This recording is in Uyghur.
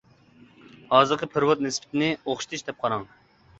ھازىرقى پېرېۋوت نىسبىتىنى ئوخشىتىش دەپ قاراڭ.